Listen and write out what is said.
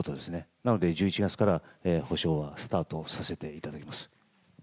なので、１１月から補償はスタートさせていただきます。